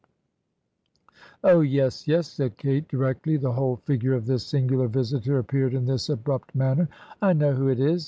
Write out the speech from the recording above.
"'Oh, yes, yes,' said Kate, directly the whole figure of this singular visitor appeared in this abrupt manner. 'I know who it is.